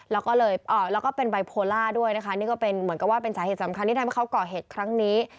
แล้วก็เลยแล้วก็เป็นไบโพล่าด้วยนะคะนี่ก็เป็นเหมือนกับว่าเป็นสาเหตุสำคัญที่ทำให้เขาก่อเหตุครั้งนี้